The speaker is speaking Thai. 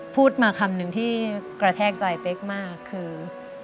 พูดมาคำหนึ่งที่กระแทกใจเป๊กมากคือ